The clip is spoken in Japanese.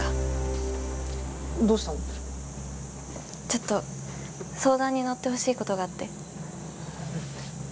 ちょっと相談に乗ってほしいことがあって。